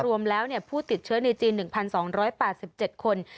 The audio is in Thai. รวมแล้วผู้ติดเชื้อในจีน๑๒๘๗คน